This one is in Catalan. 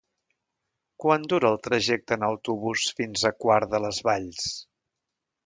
Quant dura el trajecte en autobús fins a Quart de les Valls?